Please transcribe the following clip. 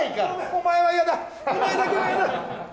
お前だけは嫌だ。